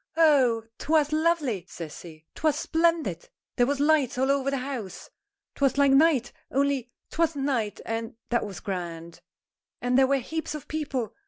"Oh! 'twas lovely!" says he. "'Twas splendid! There was lights all over the house. 'Twas like night only 'twasn't night, and that was grand! And there were heaps of people.